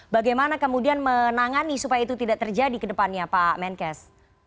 bagaimana kemudian menangani supaya itu tidak terjadi ke depannya pak menkes